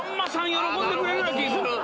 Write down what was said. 喜んでくれるような気ぃする。